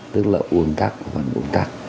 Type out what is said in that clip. tức là ổn tắc vẫn ổn tắc